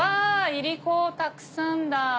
いりこたくさんだ！